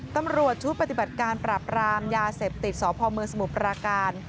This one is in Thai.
ตำรวจชุดปฏิบัติการปราบรามยาเสพติดสพเมืองสมุทรปราการ